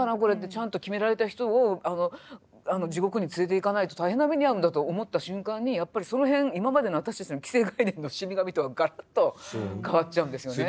ちゃんと決められた人を地獄に連れていかないと大変な目に遭うんだと思った瞬間にやっぱりそのへん今までの私たちの既成概念の死神とはがらっと変わっちゃうんですよね。